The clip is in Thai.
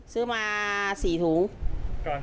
ซื้อมา๔ถุง